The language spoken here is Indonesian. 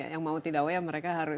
yang mau tidak mau ya mereka harus